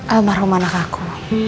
almarhum anak aku